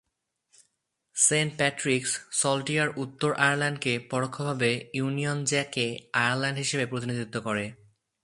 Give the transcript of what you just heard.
Saint Patrick's saltire উত্তর আয়ারল্যান্ডকে পরোক্ষভাবে ইউনিয়ন জ্যাকে আয়ারল্যান্ড হিসেবে প্রতিনিধিত্ব করে।